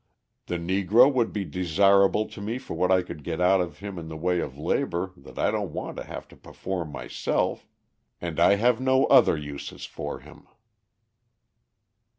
The Negro would be desirable to me for what I could get out of him in the way of labour that I don't want to have to perform myself, and I have no other uses for him.